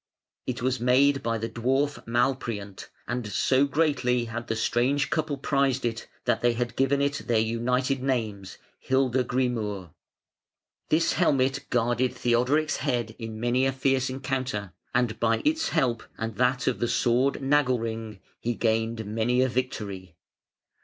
It was made by the dwarf Malpriant, and so greatly had the strange couple prized it that they had given it their united names Hildegrimur. This helmet guarded Theodoric's head in many a fierce encounter, and by its help and that of the sword Nagelring he gained many a victory.